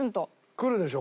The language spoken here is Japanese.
くるでしょ？